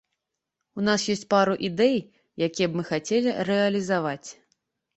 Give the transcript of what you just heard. У нас ёсць пару ідэй, якія б мы хацелі рэалізаваць.